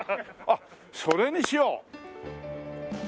あっそれにしよう。